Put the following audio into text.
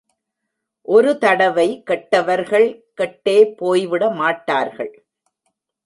ஒரு தடவை கெட்டவர்கள் கெட்டே போய்விட மாட்டார்கள்.